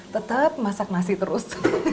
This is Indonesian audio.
tetap masak nasi terus